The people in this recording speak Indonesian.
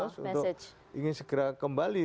untuk ingin segera kembali